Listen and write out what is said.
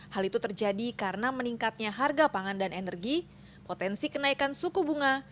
hal itu terjadi karena meningkatnya harga pangan dan energi potensi kenaikan suku bunga